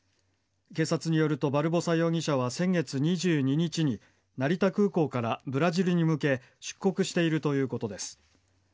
警察によるとバルボサ容疑者は先月２２日に成田空港からブラジルに向け出国しているということです。